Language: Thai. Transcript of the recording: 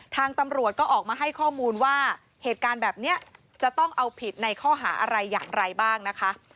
ทางตำรวจก็ออกมาให้ข้อมูลว่าเหตุการณ์แบบนี้จะต้องเอาผิดในข้อหาอะไรอย่างไรบ้างนะคะ